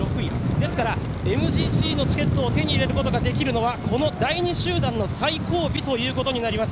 ですから、ＭＧＣのチケットを手に入れることができるのはこの第２集団の最後尾ということになります。